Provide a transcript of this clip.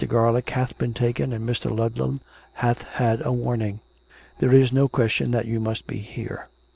Garlick hath been taken; and Mr. Ludlam hath had a warning. There is no question that you must be here."